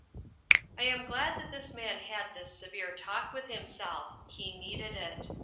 " I am glad that this man had this se vere talk with himself. He needed it.